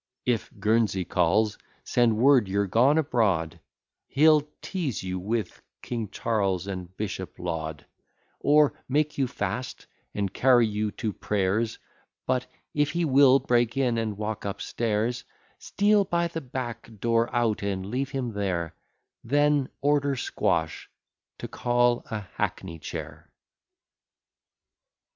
If Guernsey calls, send word you're gone abroad; He'll teaze you with King Charles, and Bishop Laud, Or make you fast, and carry you to prayers; But, if he will break in, and walk up stairs, Steal by the back door out, and leave him there; Then order Squash to call a hackney chair.